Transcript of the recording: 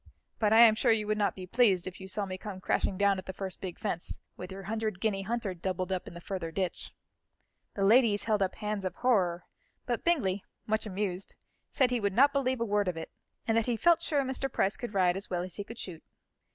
But I am sure you would not be pleased, if you saw me come crashing down at the first big fence, with your hundred guinea hunter doubled up in the further ditch." The ladies held up hands of horror, but Bingley, much amused, said he would not believe a word of it, and that he felt sure Mr. Price could ride as well as he could shoot.